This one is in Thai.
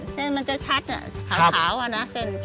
เซ่นมันจะชัดขาวอะนะ